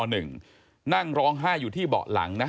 นั่งร้องไห้อยู่ที่เบาะหลังนะ